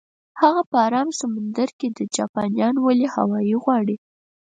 هغه په ارام سمندر کې ده، جاپانیان ولې هاوایي غواړي؟